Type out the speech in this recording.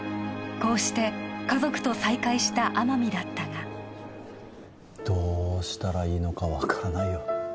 こうして家族と再会した天海だったがどうしたらいいのか分からないよ